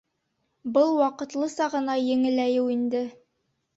Был ваҡытлыса ғына еңеләйеү инде.